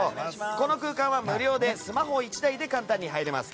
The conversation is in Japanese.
この空間は無料でスマホ１台で入れます。